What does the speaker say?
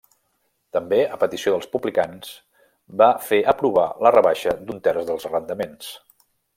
També, a petició dels publicans, va fer aprovar la rebaixa d'un terç dels arrendaments.